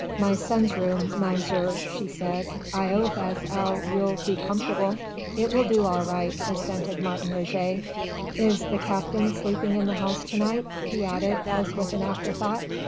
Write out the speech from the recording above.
"My son's room, Mounzeer," she said; "I 'ope as 'ow ye'll be comfortable." "It will do all right," assented Martin Roget. "Is 'the Captain' sleeping in the house to night?" he added as with an afterthought.